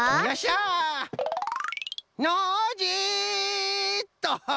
ノージーっと！